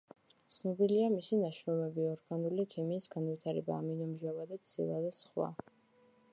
ცნობილია მისი ნაშრომები: „ორგანული ქიმიის განვითარება“, „ამინომჟავა და ცილა“ და სხვა.